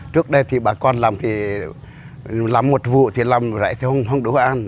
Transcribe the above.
trước đây thì bà con làm một vụ thì làm lại không đủ ăn